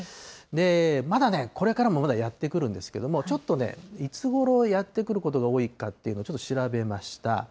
まだこれからもまだやって来るんですけど、ちょっといつごろやって来ることが多いかっていうのちょっと調べました。